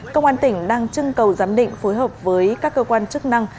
công an tỉnh đang trưng cầu giám định phối hợp với các cơ quan chức năng